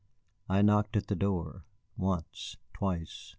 I knocked at the door, once, twice.